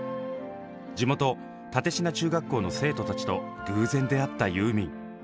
地元立科中学校の生徒たちと偶然出会ったユーミン。